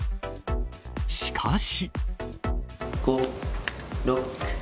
しかし。